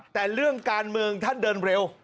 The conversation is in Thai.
แต่เรื่องการเมืองท่านเดินเร็ว